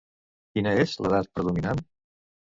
Quina és l'edat predominant?